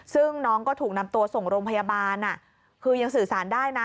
ซึ่งน้องก็ถูกนำตัวส่งโรงพยาบาลคือยังสื่อสารได้นะ